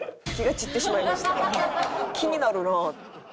気になるなあ。